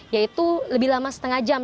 yaitu lebih lama setengah jam